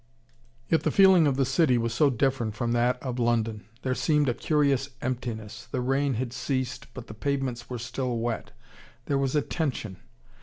Yet the feeling of the city was so different from that of London. There seemed a curious emptiness. The rain had ceased, but the pavements were still wet. There was a tension.